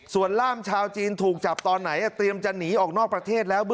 ส่วนล่ามชาวจีนถูกจับตอนไหนเตรียมจะหนีออกนอกประเทศแล้ว